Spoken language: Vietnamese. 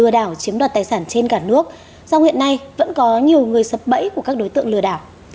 do hiện nay vẫn có nhiều người sập bẫy của các đối tượng lừa đảo